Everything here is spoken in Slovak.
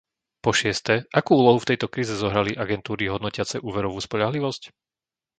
Po šieste, akú úlohu v tejto kríze zohrali agentúry hodnotiace úverovú spoľahlivosť?